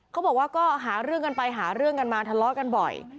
เขาบอกว่าก็หาเรื่องกันไปหาเรื่องกันมาทะเลาะกันบ่อย